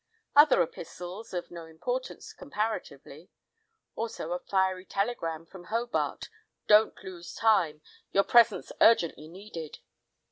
Other epistles of no importance, comparatively; also a fiery telegram from Hobart, "Don't lose time. Your presence urgently needed."